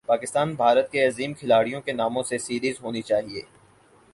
پاکستان بھارت کے عظیم کھلاڑیوں کے ناموں سے سیریز ہونی چاہیے